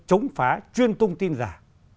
chống phá chuyên tung tin già